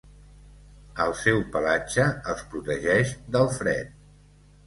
El seu pelatge els protegeix del fred.